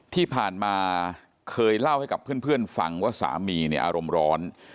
ที่ผ่านมาเคยเล่าให้กับเพื่อนฟังว่าสามีเนี่ยอารมณ์ร้อน